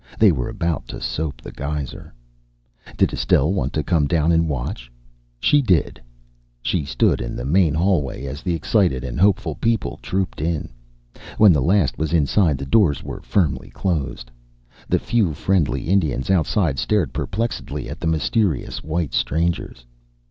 They were about to soap the geyser. Did Estelle want to come down and watch? She did! She stood in the main hallway as the excited and hopeful people trooped in. When the last was inside the doors were firmly closed. The few friendly Indians outside stared perplexedly at the mysterious white strangers.